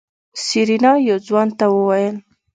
سېرېنا يو ځوان ته وويل.